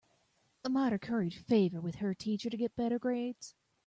Marta curry favored with her teacher to get better grades.